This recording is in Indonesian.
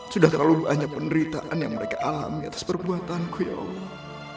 sudah terlalu banyak penderitaan yang mereka alami atas perbuatanku ya allah